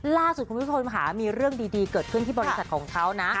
ล่าสุดคุณผู้ชมค่ะมีเรื่องดีเกิดขึ้นที่บริษัทของเขานะ